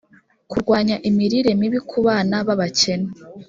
kurwanya imirire mibi ku bana b abakene